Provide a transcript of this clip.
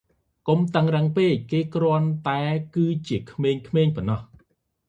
កុំតឹងរ៉ឹងពេក ។ គេគ្រាន់តែគឺជាក្មេងៗប៉ុណ្ណោះ ។